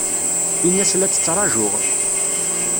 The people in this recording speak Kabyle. Ini-as la tt-ttṛajuɣ.